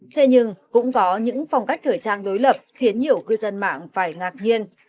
thế nhưng cũng có những phong cách thời trang đối lập khiến nhiều cư dân mạng phải ngạc nhiên